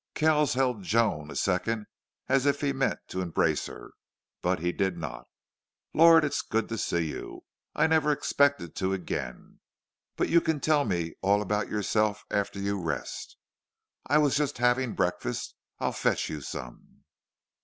Kells held Joan a second, as if he meant to embrace her, but he did not. "Lord, it's good to see you! I never expected to again.... But you can tell me all about yourself after you rest.... I was just having breakfast. I'll fetch you some."